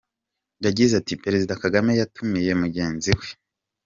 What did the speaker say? Yagize ati “Perezida Kagame yatumiye mugenzi we.